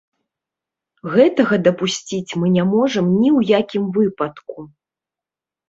Гэтага дапусціць мы не можам ні ў якім выпадку.